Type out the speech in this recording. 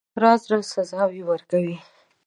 راز راز سزاوي ورکوي.